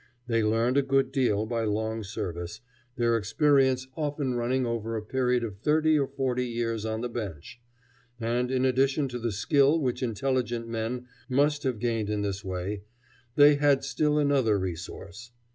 They learned a good deal by long service, their experience often running over a period of thirty or forty years on the bench, and, in addition to the skill which intelligent men must have gained in this way, they had still another resource.